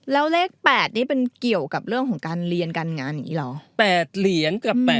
แล้วเลข๘นี่เป็นเกี่ยวกับเรื่องของการเรียนการงานอย่างนี้เหรอ